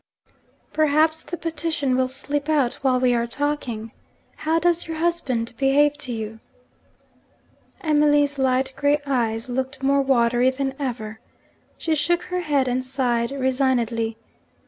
Perhaps the petition will slip out while we are talking. How does your husband behave to you?' Emily's light grey eyes looked more watery than ever. She shook her head and sighed resignedly.